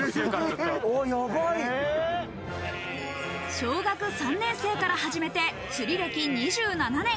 小学３年生から始めて釣り歴２７年。